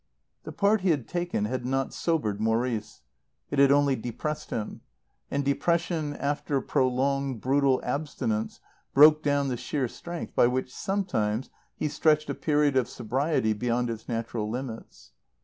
The part he had taken had not sobered Maurice. It had only depressed him. And depression after prolonged, brutal abstinence broke down the sheer strength by which sometimes he stretched a period of sobriety beyond its natural limits.